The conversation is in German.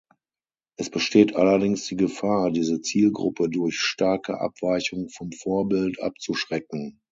Es besteht allerdings die Gefahr, diese Zielgruppe durch starke Abweichung vom Vorbild abzuschrecken.